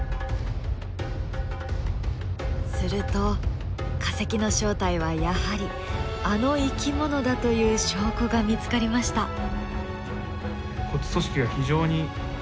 すると化石の正体はやはりあの生き物だという証拠が見つかりました。